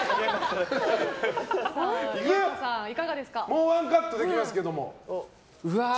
もうワンカットできますけど。